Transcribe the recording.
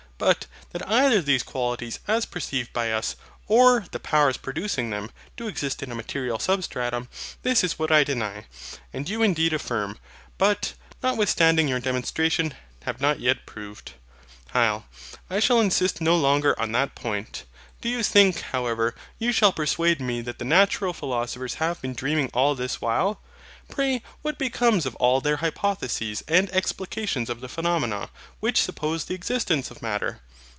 But that either these qualities as perceived by us, or the powers producing them, do exist in a MATERIAL SUBSTRATUM; this is what I deny, and you indeed affirm, but, notwithstanding your demonstration, have not yet proved. HYL. I shall insist no longer on that point. Do you think, however, you shall persuade me that the natural philosophers have been dreaming all this while? Pray what becomes of all their hypotheses and explications of the phenomena, which suppose the existence of Matter?